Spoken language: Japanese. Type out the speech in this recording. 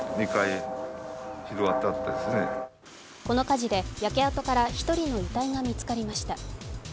この火事で、焼け跡から１人の遺体が見つかりました。